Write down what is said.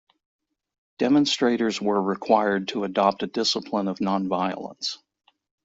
Demonstrators were required to adopt a discipline of non-violence.